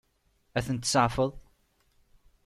Ad tent-tseɛfeḍ?